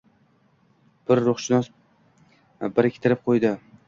Bir ruhshunos biriktirib qo’ydi.